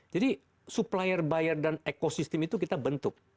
jadi supplier buyer dan ekosistem itu kita bentuk